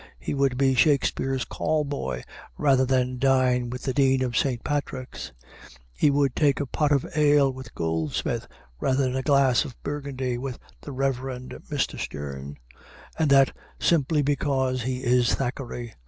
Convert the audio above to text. He would be Shakespeare's call boy, rather than dine with the Dean of St. Patrick's. He would take a pot of ale with Goldsmith, rather than a glass of burgundy with the "Reverend Mr. Sterne," and that simply because he is Thackeray.